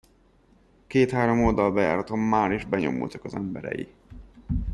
Két-három oldalbejáraton máris benyomultak az emberei.